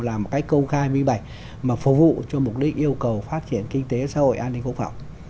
làm một cách công khai minh bạch mà phục vụ cho mục đích yêu cầu phát triển kinh tế xã hội an ninh quốc phòng